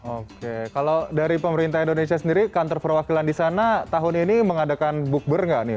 oke kalau dari pemerintah indonesia sendiri kantor perwakilan di sana tahun ini mengadakan bookber nggak nih